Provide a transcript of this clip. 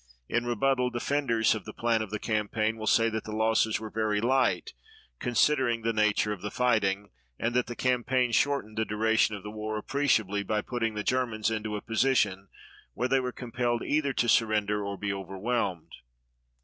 In rebuttal defenders of the plan of the campaign will say that the losses were very light considering the nature of the fighting, and that the campaign shortened the duration of the war appreciably by putting the Germans into a position where they were compelled either to surrender or be overwhelmed.